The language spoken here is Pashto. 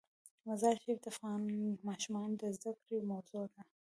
مزارشریف د افغان ماشومانو د زده کړې موضوع ده.